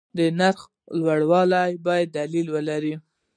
د نرخ لوړوالی باید دلیل ولري.